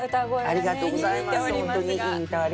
ありがとうございます。